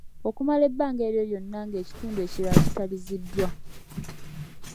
Okumala ebbanga eryo lyonna ng’ekitundu ekirala kitaliziddwa.